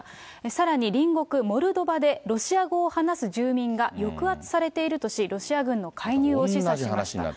さらに隣国、モルドバでロシア語を話す住民が抑圧されているとし、ロシア軍の介入を示唆しました。